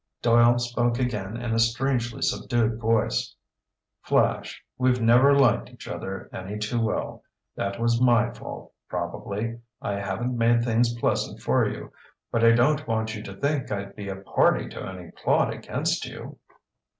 Doyle spoke again in a strangely subdued voice. "Flash, we've never liked each other any too well. That was my fault, probably. I haven't made things pleasant for you. But I don't want you to think I'd be a party to any plot against you."